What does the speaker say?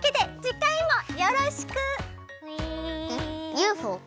ＵＦＯ？